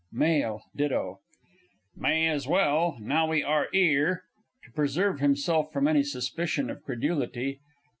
MALE DITTO. May as well, now we are 'ere. (To preserve himself from any suspicion of credulity).